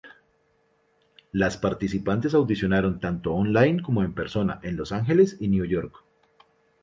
Las participantes audicionaron tanto online como en persona en Los Angeles y New York.